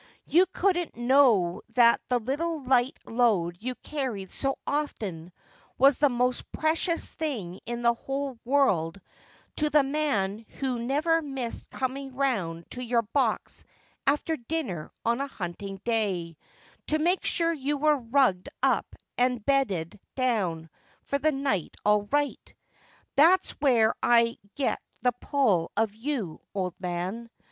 You couldn't know that the little light load you carried so often was the most precious thing in the whole world to the man who never missed coming round to your box after dinner on a hunting day, to make sure you were rugged up and bedded down for the night all right. That's where I get the pull of you, old man.